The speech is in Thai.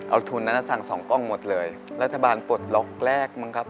เอาทุนนั้นสั่งสองกล้องหมดเลยรัฐบาลปลดล็อกแรกมั้งครับ